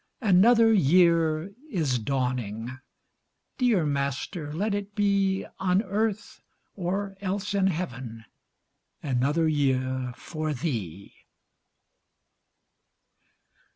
Another year is dawning! Dear Master, let it be On earth, or else in heaven, Another year for Thee!